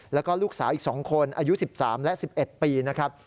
แล้วก็ลูกสาวอีก๒คนอายุ๑๓และ๑๑ปีนะครับ